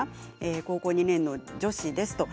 高校２年の女子です。